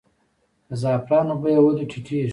د زعفرانو بیه ولې ټیټیږي؟